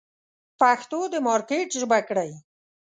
پښتو د مارکېټ ژبه کړئ.